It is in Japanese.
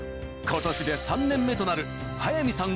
今年で３年目となる速水さん